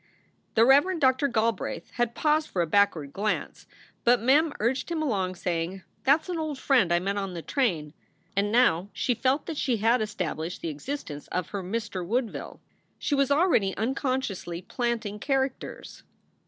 The Reverend Doctor Galbraith had paused for a back ward glance, but Mem urged him along, saying, "That s an old friend I met on the train." And now she felt that she had established the existence of her Mr. Woodville. She was already unconsciously "planting" characters.